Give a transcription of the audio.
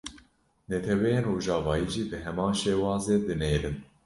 Netewên rojavayî jî bi heman şêwazê dinêrin